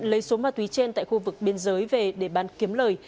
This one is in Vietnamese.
lấy số ma túy trên tại khu vực biên giới về để bán kiếm lời